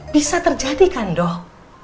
bisa terjadikan dok